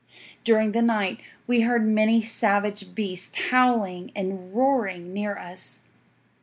During the night we heard many savage beasts howling and roaring near us.